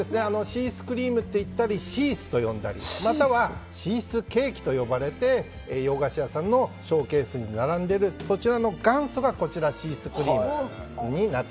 シースクリームって言ったりシースと言ったりまたは、シースケーキと呼ばれて洋菓子屋さんのショーケースに並んでいるそちらの元祖がこちらのシースクリームです。